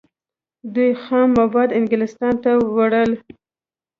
دوی خام مواد انګلستان ته وړل.